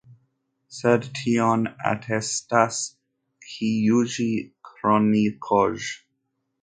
Sed tion atestas ĉiuj kronikoj.